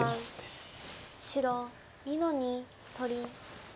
白２の二取り。